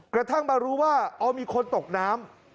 กระทั่งมารู้ว่าอ๋อมีคนตกน้ำ